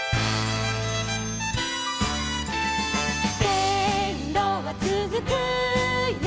「せんろはつづくよ